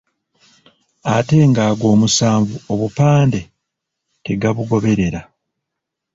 Ate nga ago omusanvu obupande tegabugoberera.